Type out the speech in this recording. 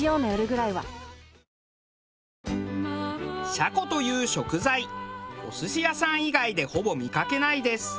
シャコという食材お寿司屋さん以外でほぼ見かけないです。